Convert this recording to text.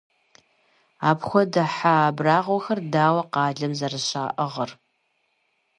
Апхуэдэ хьэ абрагъуэхэр дауэ къалэм зэрыщаӀыгъыр?!